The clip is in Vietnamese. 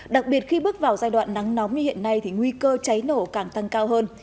đặc biệt khi bước vào giai đoạn nắng nóng như hiện nay thì nguy cơ cháy nổ càng tăng cao hơn